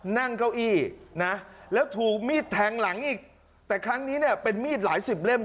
นั่งเก้าอี้นะแล้วถูกมีดแทงหลังอีกแต่ครั้งนี้เนี่ยเป็นมีดหลายสิบเล่ม